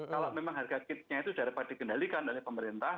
kalau memang harga kitnya itu sudah dapat dikendalikan oleh pemerintah